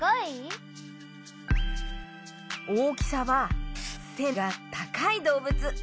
大きさはせがたかいどうぶつ。